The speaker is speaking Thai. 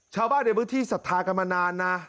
ชาวบ้านในพื้นที่ศรัทธากันมานานนะ